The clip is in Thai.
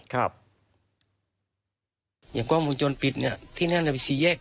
ครับ